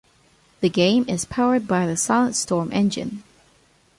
The game is powered by the Silent Storm engine.